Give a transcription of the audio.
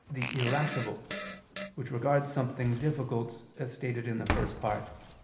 the irascible, which regards something difficult, as stated in the First Part (Q.